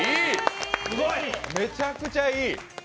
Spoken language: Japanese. めちゃくちゃいい。